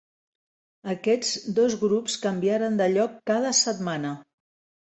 Aquests dos grups canviarien de lloc cada setmana.